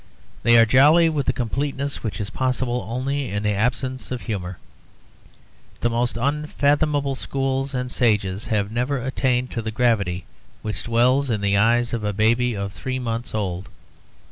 They are jolly with the completeness which is possible only in the absence of humour. The most unfathomable schools and sages have never attained to the gravity which dwells in the eyes of a baby of three months old.